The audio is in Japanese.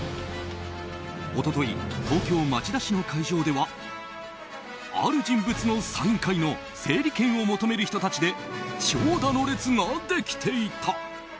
一昨日、東京・町田市の会場ではある人物のサイン会の整理券を求める人たちで長蛇の列ができていた。